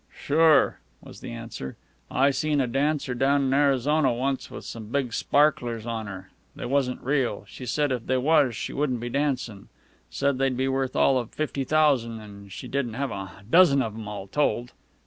"Sure," was the answer. "I seen a dancer down in Arizona once, with some big sparklers on her. They wasn't real. She said if they was she wouldn't be dancin'. Said they'd be worth all of fifty thousan', an' she didn't have a dozen of 'em all told."